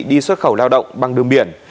đi xuất khẩu lao động bằng đường biển